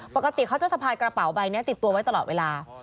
ปกติเขาจะสะพายกระเป๋าใบนี้ติดตัวไว้ตลอดเวลา